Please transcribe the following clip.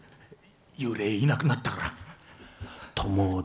幽霊、いなくなったから。